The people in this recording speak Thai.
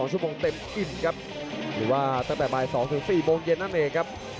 ชั่วโมงเต็มอิ่มครับหรือว่าตั้งแต่บ่าย๒๔โมงเย็นนั่นเองครับ